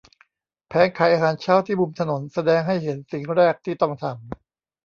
แผงขายอาหารเช้าที่มุมถนนแสดงให้เห็นสิ่งแรกที่ต้องทำ